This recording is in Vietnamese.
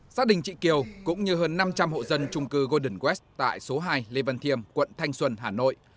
gia đình chị kiều cũng như hơn năm trăm linh hộ dân trung cư golden west tại số hai lê văn thiêm quận thanh xuân hà nội